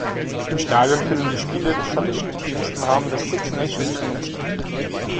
Im Stadion finden die Spiele des schottischen Teams im Rahmen des Six-Nations-Turniers statt.